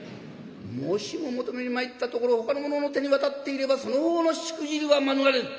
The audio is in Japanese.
もしも求めに参ったところほかの者の手に渡っていればその方のしくじりは免れぬ。